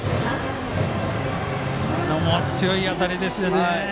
今のも強い当たりですよね。